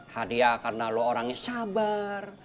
hadiah karena lo orangnya sabar